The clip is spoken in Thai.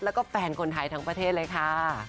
แล้วก็แฟนคนไทยทั้งประเทศเลยค่ะ